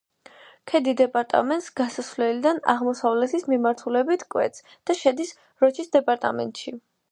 ქედი დეპარტამენტს დასავლეთიდან აღმოსავლეთის მიმართულებით კვეთს და შედის როჩის დეპარტამენტში.